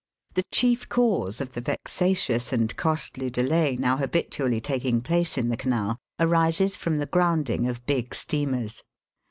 The chief cause of the vexatious and costly delay now habitu ally taking place in the Canal arises from the grounding of big steamers.